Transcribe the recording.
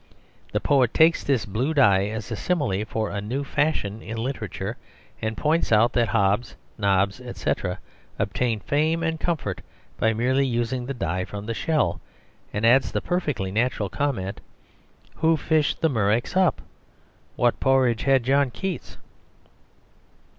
The poet takes this blue dye as a simile for a new fashion in literature, and points out that Hobbs, Nobbs, etc., obtain fame and comfort by merely using the dye from the shell; and adds the perfectly natural comment: "... Who fished the murex up? What porridge had John Keats?"